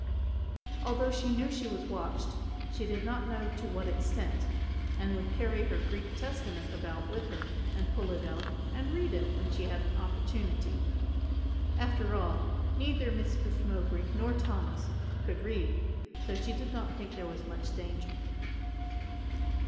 Although she knew she was watched, she did not know to what extent and would carry her Greek Testament about with her and pull it out and read it when she had an opportunity. After all, neither Mistress Mowbray nor Thomas could read, so she did not think there was much danger.